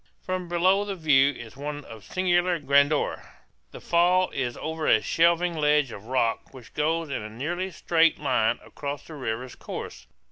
From below the view is one of singular grandeur. The fall is over a shelving ledge of rock which goes in a nearly straight line across the river's course.